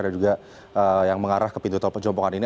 dan juga yang mengarah ke pintu tol pejopongan ini